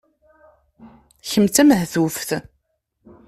Kemm d tamehtuft.